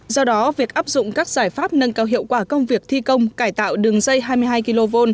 do đó việc áp dụng các giải pháp nâng cao hiệu quả công việc thi công cải tạo đường dây hai mươi hai kv